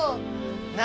何？